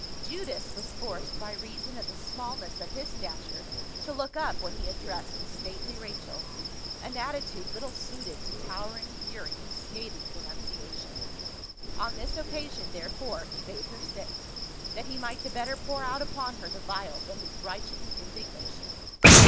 Judas was forced by reason of the smallness of his stature to look up when he addressed the stately Rachel, an attitude little suited to towering fury and scathing denunciation ; on this occasion therefore, he bade her sit, that he might the better pour out upon her the vials of his righteous indignation.